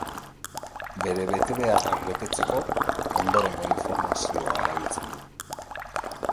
Bere betebeharrak betetzeko ondorengo informazioa erabiltzen du.